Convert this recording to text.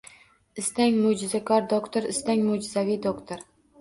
Istang mo’jizakor doktor, istang mo’jizaviy doctor